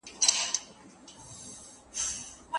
لارښود د شاګردانو د علمي پرمختګ په اړه ډاډه دی.